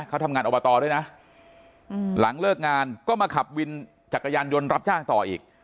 เขาทำงานอบตด้วยนะหลังเลิกงานก็มาขับวินจักรยานยนต์รับจ้างต่ออีก